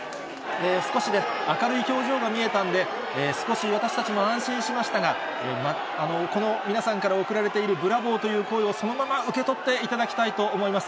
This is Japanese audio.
少し明るい表情が見えたんで、少し私たちも安心しましたが、この皆さんから送られているブラボーという声を、そのまま受け取っていただきたいと思います。